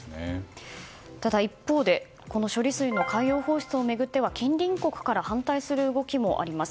ただ、一方でこの処理水の海洋放出を巡っては近隣国から反対する動きもあります。